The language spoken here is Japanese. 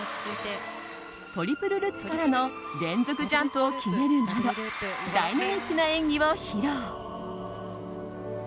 トリプルルッツからの連続ジャンプを決めるなどダイナミックな演技を披露。